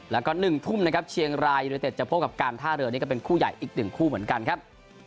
แล้วก็๑ทุ่มนะครับเชียงรายยูนิเต็ดจะพบกับการท่าเรือนี่ก็เป็นคู่ใหญ่อีก๑คู่เหมือนกันครับ